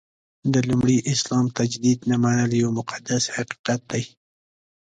د لومړي اسلام تجدید نه منل یو مقدس حقیقت دی.